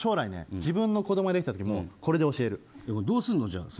将来、自分の子どもが出来たときも、これで教える。